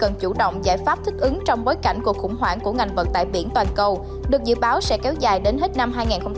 các doanh nghiệp cần chủ động giải pháp thích ứng trong bối cảnh cuộc khủng hoảng của ngành vận tại biển toàn cầu được dự báo sẽ kéo dài đến hết năm hai nghìn hai mươi ba